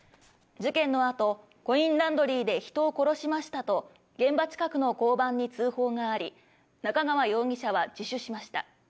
事件のあと、コインランドリーで人を殺しましたと、現場近くの交番に通報があり、中川容疑者は自首しました。